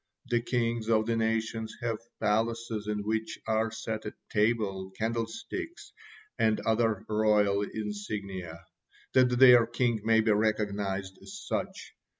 The kings of the nations have palaces in which are set a table, candlesticks, and other royal insignia, that their king may be recognized as such.